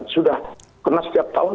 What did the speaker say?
sudah pernah setiap tahun